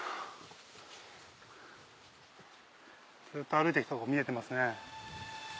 ずっと歩いて来たとこ見えてますね。